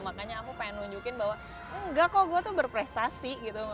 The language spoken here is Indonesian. makanya aku pengen nunjukin bahwa enggak kok gue tuh berprestasi gitu